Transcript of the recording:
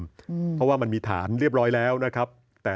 เพราะว่ามันมีฐานเรียบร้อยแล้วนะครับ